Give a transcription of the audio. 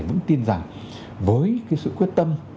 vẫn tin rằng với cái sự quyết tâm